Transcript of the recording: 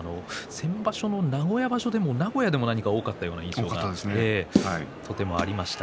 先場所の名古屋場所でも名古屋も多かったこともありました。